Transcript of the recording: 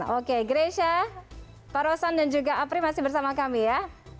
oke gresha pak rosan dan juga apri masih bersama kami ya